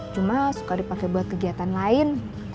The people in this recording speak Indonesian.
cuma suka dipakai buat kegiatan lain